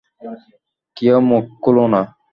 কেউ মুখ খুলো না!